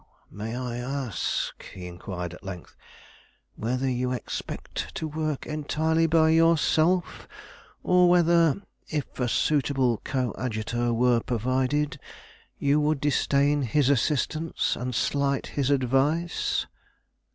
"May I ask," he inquired at length, "whether you expect to work entirely by yourself; or whether, if a suitable coadjutor were provided, you would disdain his assistance and slight his advice?"